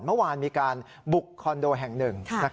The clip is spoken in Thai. เมื่อวานมีการบุกคอนโดแห่งหนึ่ง